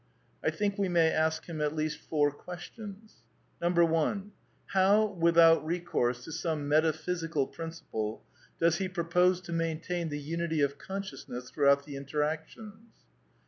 I think we may ask him at least four questions. 1. How, without recourse to some metaphysical prin ciple, does he propose to maintain the unity of consciousness throughout the interactions